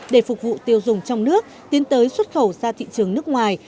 để phục vụ tiêu dùng trong nước tiến tới xuất khẩu ra thị trường nước ngoài